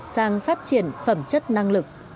sang phát triển phẩm chất năng lực